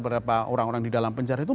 berapa orang orang di dalam penjara itu